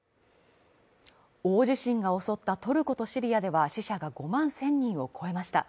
大地震が襲ったトルコとシリアでは死者が５万１０００人を超えました。